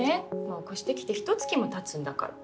もう越してきてひと月も経つんだから。